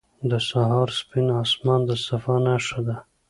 • د سهار سپین آسمان د صفا نښه ده.